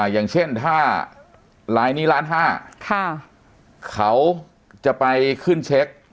อย่างเช่นถ้าลายนี้ล้านห้าเขาจะไปขึ้นเช็ค